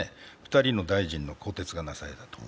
２人の大臣の更迭がなされたと。